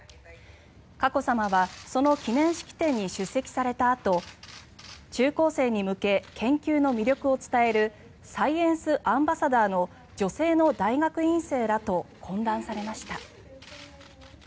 佳子さまはその記念式典に出席されたあと中高生に向け研究の魅力を伝えるサイエンスアンバサダーの女性の大学院生らと懇談されました。